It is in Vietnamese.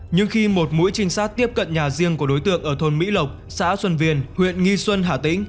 nhưng khi một mũi trinh sát tiếp cận nhà riêng của đối tượng ở thôn mỹ lộc xã xuân viên huyện nghi xuân hà tĩnh